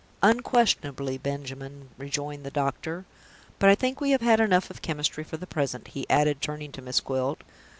"Unquestionably, Benjamin," rejoined the doctor. "But I think we have had enough of chemistry for the present," he added, turning to Miss Gwilt.